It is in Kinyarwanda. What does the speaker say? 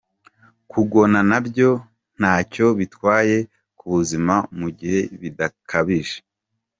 Kugona na byo ntacyo bitwaye ku buzima mu gihe bidakabije.